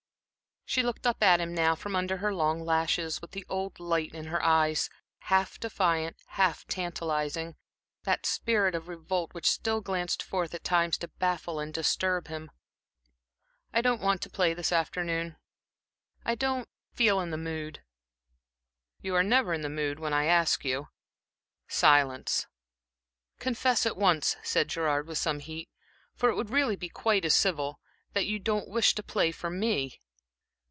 She looked up at him now from under her long lashes, with the old light in her eyes, half defiant, half tantalizing that spirit of revolt which still glanced forth at times to baffle and disturb him. "I don't want to play this afternoon. I don't feel in the mood." "You are never in the mood when I ask you." Silence. "Confess at once," said Gerard, with some heat "for it would really be quite as civil that you don't wish to play for me."